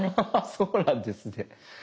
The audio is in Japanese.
そうなんですね。